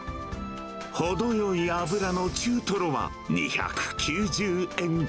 程よい脂の中トロは２９０円。